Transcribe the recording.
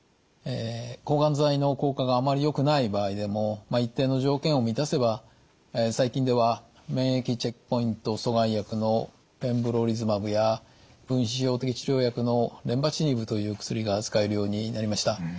抗がん剤の効果があまりよくない場合でも一定の条件を満たせば最近では免疫チェックポイント阻害薬のペムブロリズマブや分子標的治療薬のレンバチニブという薬が使えるようになりました。